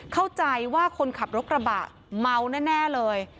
เข้าใจว่าคนขับรถกระบะเมาแน่เลย